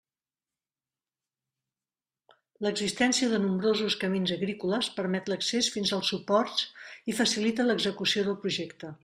L'existència de nombrosos camins agrícoles permet l'accés fins als suports i facilita l'execució del projecte.